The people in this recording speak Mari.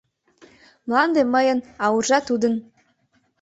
Мланде мыйын, а уржа - тудын!